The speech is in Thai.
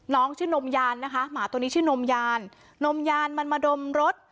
น้องชื่อนมยานนะคะหมาตัวนี้ชื่อนมยานนมยานมันมาดมรถ